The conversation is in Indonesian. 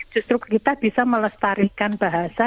justru kita bisa melestarikan bahasa